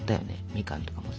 みかんとかもさ。